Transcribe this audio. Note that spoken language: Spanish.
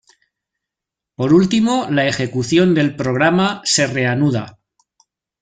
Por último la ejecución del programa se reanuda.